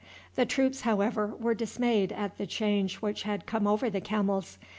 The troops, however, were dismayed at the change which had come over the camels.